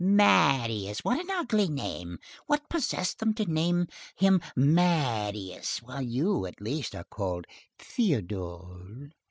"Marius! what an ugly name! what possessed them to name him Marius? While you, at least, are called Théodule."